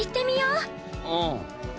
うん。